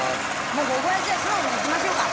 もうここはじゃあ素直にいきましょうか。